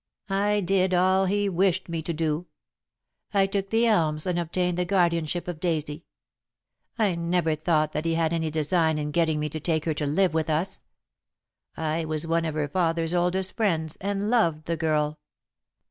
I did all he wished me to do. I took The Elms and obtained the guardianship of Daisy. I never thought that he had any design in getting me to take her to live with us. I was one of her father's oldest friends and loved the girl.